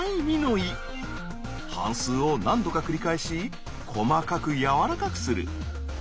反すうを何度か繰り返し細かくやわらかくする。